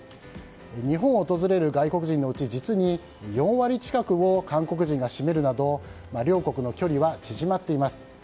日本を訪れる外国人のうち実に４割近くを韓国人が占めるなど両国の距離は縮まっています。